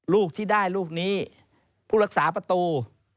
ลูกที่ได้รูปนี้ผู้รักษาประตู